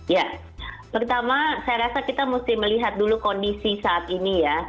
ya pertama saya rasa kita mesti melihat dulu kondisi saat ini ya